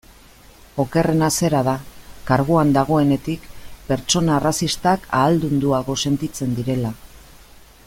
Okerrena zera da, karguan dagoenetik, pertsona arrazistak ahaldunduago sentitzen direla.